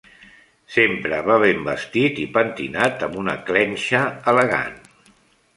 Sempre va ben vestit i pentinat amb una clenxa elegant.